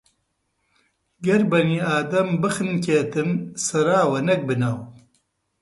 گەر بەنی ئادەم بخنکێتن، سەراوە نەک بناو